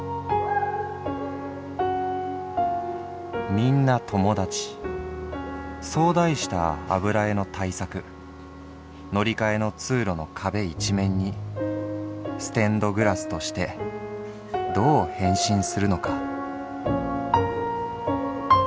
「『みんな友だち』そう題した油絵の大作乗り換えの通路の壁一面にステンドグラスとしてどう変身するのか」。